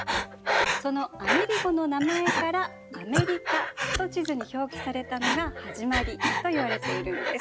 そのアメリゴの名前からアメリカと地図に表記されたのが始まりといわれているんです。